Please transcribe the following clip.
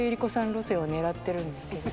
路線を狙ってるんですけど。